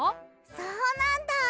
そうなんだ。